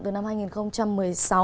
từ năm hai nghìn một mươi sáu